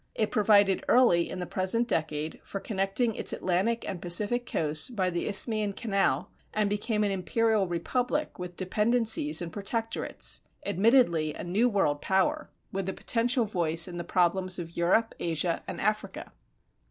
It provided early in the present decade for connecting its Atlantic and Pacific coasts by the Isthmian Canal, and became an imperial republic with dependencies and protectorates admittedly a new world power, with a potential voice in the problems of Europe, Asia, and Africa.